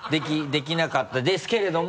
できなかったですけれども。